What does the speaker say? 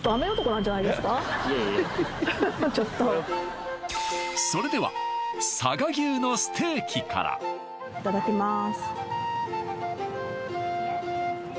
いやいやちょっとそれでは佐賀牛のステーキからいただきます